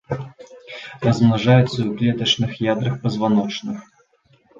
Размнажаюцца ў клетачных ядрах пазваночных.